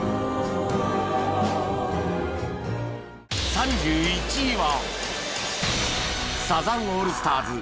３１位は